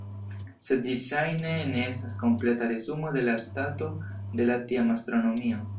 Sed ĝi ŝajne ne estas kompleta resumo de la stato de la tiama astronomio.